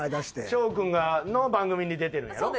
翔君の番組に出てるんやろ？